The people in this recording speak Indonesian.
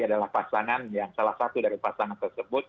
adalah pasangan yang salah satu dari pasangan tersebut